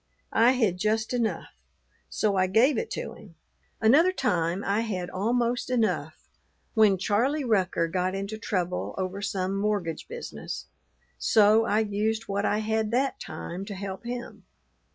I had just enough; so I gave it to him. Another time I had almost enough, when Charlie Rucker got into trouble over some mortgage business; so I used what I had that time to help him.